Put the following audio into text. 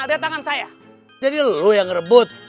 dari tangan saya jadi lu yang ngerebut